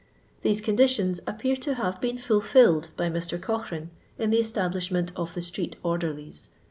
These conditions appear to have been fulfilled by Mr. Cochrane, in the establishment of the street orderlies.